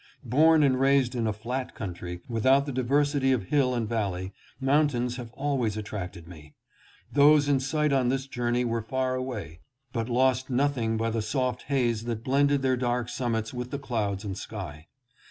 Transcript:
Born and raised in a flat country without the diversity of hill and valley, mountains have always attracted me. Those in sight on this journey were far away, but lost nothing by the soft haze that blended their dark sum mits with the clouds and sky.